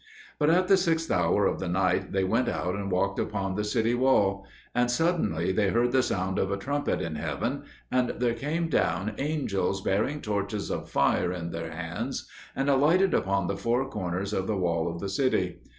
But at the sixth hour of the night they went out and walked upon the city wall. And suddenly they heard the sound of a trumpet in heaven, and there came down angels bearing torches of fire in their hands, and alighted upon the four corners of the wall of the city.